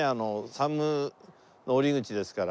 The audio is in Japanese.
山武の降り口ですから。